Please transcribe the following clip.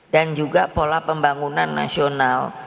dan juga pola pembangunan nasional